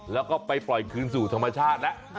แล้วก็ไปปล่อยคืนสู่ธรรมชาติแล้ว